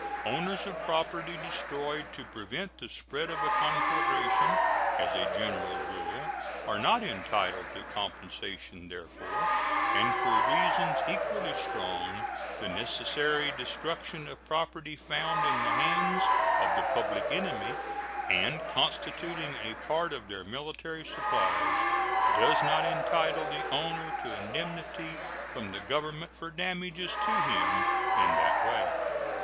Owners of property destroyed to prevent the spread of a conflagration, as a general rule, are not entitled to compensation therefor; and for reasons equally strong the necessary destruction of property found in the hands of the public enemy, and constituting a part of their military supplies, does not entitle the owner to indemnity from the Government for damages to him in that way.